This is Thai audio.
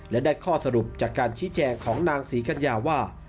และได้ข้อสรุปจากการชี้แจงของนางศรีกัญญาว่า